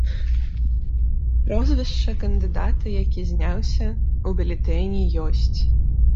Прозвішча кандыдата, які зняўся, у бюлетэні ёсць.